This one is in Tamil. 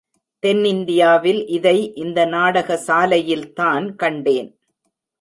தென் இந்தியாவில் இதை இந்த நாடக சாலையில்தான் கண்டேன்.